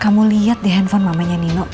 kamu lihat di handphone mamanya nino